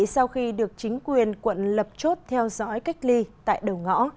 sau khi được chính quyền quận lập chốt theo dõi cách ly tại đầu ngõ